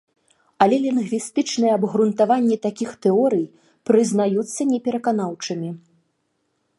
Але лінгвістычныя абгрунтаванні такіх тэорый прызнаюцца непераканаўчымі.